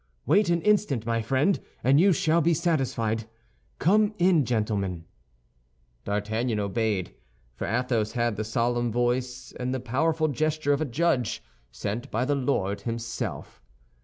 Wait an instant, my friend, and you shall be satisfied. Come in, gentlemen." D'Artagnan obeyed; for Athos had the solemn voice and the powerful gesture of a judge sent by the Lord himself.